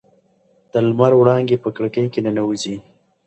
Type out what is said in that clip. د لمر وړانګې په کړکۍ کې ننوځي.